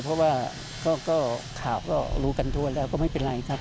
เพราะว่าข่าวก็รู้กันทั่วแล้วก็ไม่เป็นไรครับ